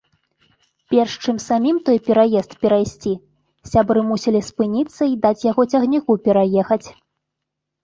Перш чым самім той пераезд перайсці, сябры мусілі спыніцца й даць яго цягніку пераехаць.